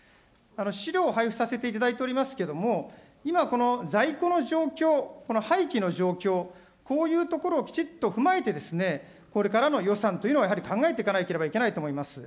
資料を配布させていただいておりますけれども、今、この在庫の状況、この廃棄の状況、こういうところをきちっと踏まえて、これからの予算というのはやはり考えていかなければいけないと思います。